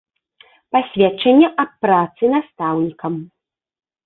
Пасведчанне аб працы настаўнікам.